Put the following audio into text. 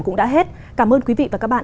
cũng đã hết cảm ơn quý vị và các bạn